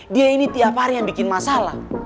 dia ini tiap hari yang bikin masalah